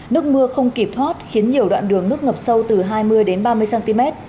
nước mưa không kịp thoát khiến nhiều đoạn đường nước ngập sâu từ hai mươi đến ba mươi cm